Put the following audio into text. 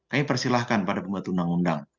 kami persilahkan pada bumn